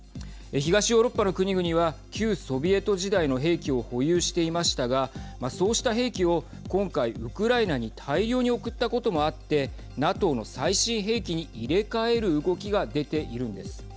東ヨーロッパの国々は旧ソビエト時代の兵器を保有していましたがそうした兵器を今回、ウクライナに大量に送ったこともあってＮＡＴＯの最新兵器に入れ替える動きが出ているんです。